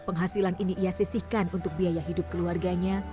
penghasilan ini ia sisihkan untuk biaya hidup keluarganya